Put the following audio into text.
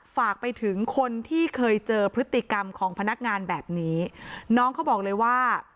ฝากไปถึงคนที่เคยเจอพฤติกรรมของพนักงานแบบนี้น้องเขาบอกเลยว่า